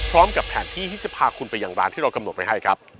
พร้อมกับแผนที่ที่จะพาคุณไปอย่างร้านที่เรากำหนดไว้ให้ครับ